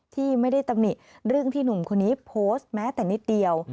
ที่ไม่ได้ตำหนิเรื่องที่หนุ่มคนนี้โพสต์แม้แต่นิดเดียว